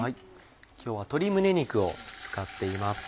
今日は鶏胸肉を使っています。